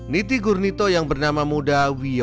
niti gurnito yang bernama muda wiyah